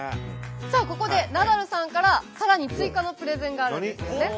さあここでナダルさんからさらに追加のプレゼンがあるんですよね。